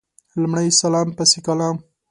لمړی سلام پسي کلام